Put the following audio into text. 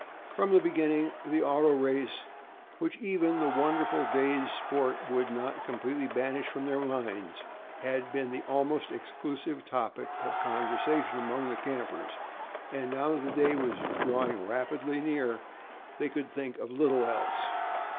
From the beginning, the auto race, which even the wonderful day's sport could not completely banish from their minds, had been the almost exclusive topic of conversation among the campers, and now that the day was rapidly drawing near, they could think of little else.